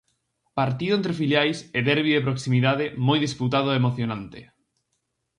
Partido entre filiais e derbi de proximidade moi disputado e emocionante.